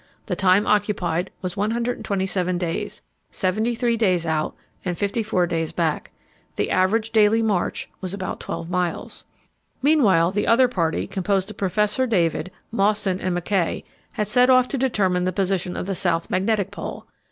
The time occupied was 127 days 73 days out and 54 days back. The average daily march was about 12 miles. Meanwhile the other party, composed of Professor David, Mawson, and Mackay, had set off to determine the position of the South Magnetic Pole.